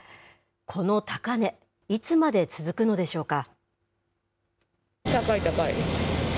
この高値、いつまで続くのでしょうか。